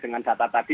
dengan data tadi